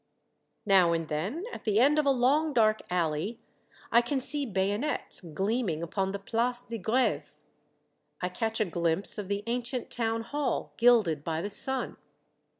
Now and then, at the end of a long, dark alley, I I can see bayonets gleaming upon the Place de Greve. I catch a glimpse of the ancient town hall, gilded by the sun.